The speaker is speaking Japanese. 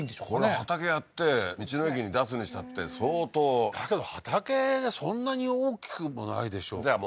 この畑やって道の駅に出すにしたって相当だけど畑そんなに大きくもないでしょうじゃあ